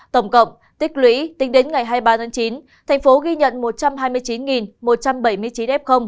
tổng cộng tích lũy tính đến ngày hai mươi ba tháng chín thành phố ghi nhận một trăm hai mươi chín một trăm bảy mươi chín f